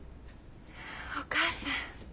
お母さん。